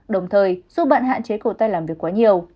đồng thời giúp bạn hạn chế cổ tay làm việc quá nhiều